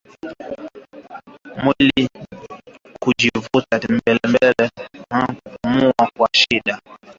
Mwili kujivuta mbele na nyuma mnyama anapopumua yaani kupumua kwa shida